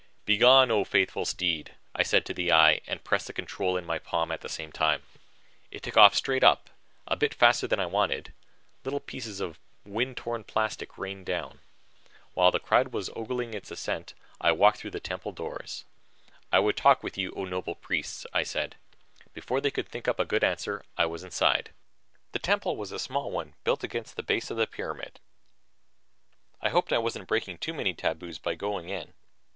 "Begone, O faithful steed," I said to the eye, and pressed the control in my palm at the same time. It took off straight up a bit faster than I wanted; little pieces of wind torn plastic rained down. While the crowd was ogling this ascent, I walked through the temple doors. "I would talk with you, O noble priests," I said. Before they could think up a good answer, I was inside. The temple was a small one built against the base of the pyramid. I hoped I wasn't breaking too many taboos by going in.